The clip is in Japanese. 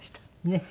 ねえ。